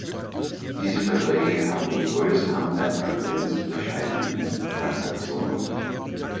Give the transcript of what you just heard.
Diese Verträge haben den größten Anteil an grenzüberschreitenden Transaktionen.